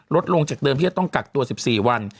ลดลงจากเดิมที่จะต้องกักตัว๑๔วัน